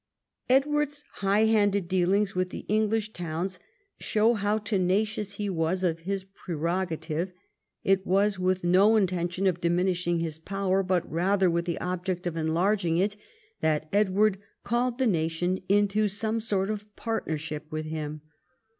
Edward's high handed dealings with the English towns shoAv how tenacious he was of his prerogative. It was with no intention of diminishing his power, but rather with the object of enlarging it, that Edward called the nation into some sort of partnership M'ith him.